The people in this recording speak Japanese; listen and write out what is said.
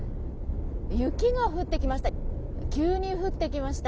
雪が降ってきました。